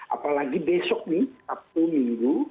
apalagi besok nih sabtu minggu